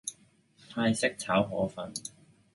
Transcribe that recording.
泰式炒河粉